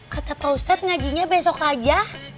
kata pak ustadz ngajinya besok aja